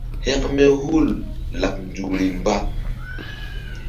Hȩkme hul laɓ nzukri mba.